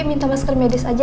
minta masker medis aja